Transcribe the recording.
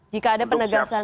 jika ada penegasan